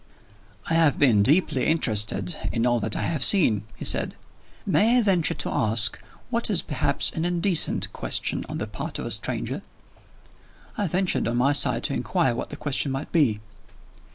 "I have been deeply interested in all that I have seen," he said. "May I venture to ask, what is perhaps an indiscreet question on the part of a stranger?" I ventured, on my side, to inquire what the question might be.